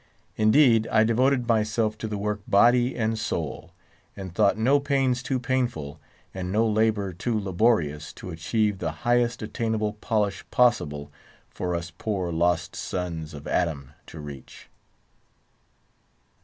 Indeed, I devoted myself to the work body and soul, and thought no pains too painful, and no labour too laborious, to achieve the highest attainable polish possible for us poor lost sons of Adam to reach.